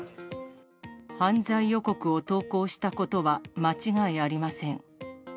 犯罪予告を投稿したことは間違いありません。